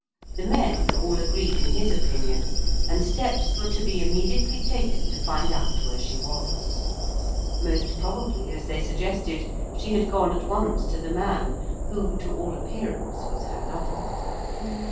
The men all agreed in his opinion, and steps were to be immediately taken to find out where she was. Most probably, as they suggested, she had gone at once to the man, who, to all appearance, was her lover.